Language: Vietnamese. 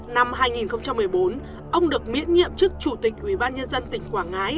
năm hai nghìn một mươi bốn ông được miễn nhiệm chức chủ tịch huyện ban nhân dân tỉnh quảng ngãi